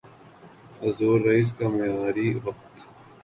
Azores کا معیاری وقت